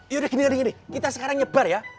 yaudah gini gini kita sekarang nyebar ya